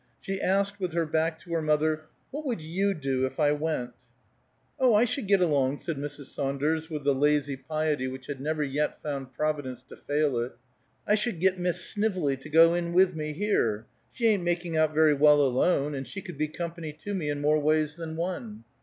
She asked, with her back to her mother, "What would you do, if I went?" "Oh, I should get along," said Mrs. Saunders with the lazy piety which had never yet found Providence to fail it. "I should get Miss Snively to go in with me, here. She ain't making out very well, alone, and she could be company to me in more ways than one."